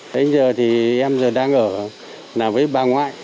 bây giờ thì em giờ đang ở với bà ngoại